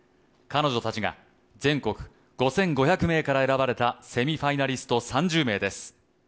彼女たちが全国５５００名から選ばれたセミファイナリスト３０名です。